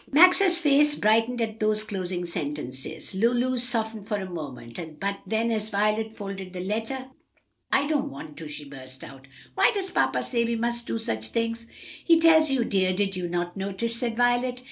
Max's face brightened at those closing sentences, Lulu's softened for a moment, but then, as Violet folded the letter, "I don't want to!" she burst out. "Why does papa say we must do such things?" "He tells you, dear; did you not notice?" said Violet.